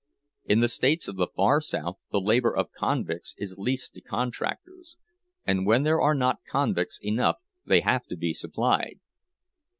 In the states of the far South the labor of convicts is leased to contractors, and when there are not convicts enough they have to be supplied.